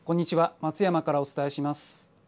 松山からお伝えします。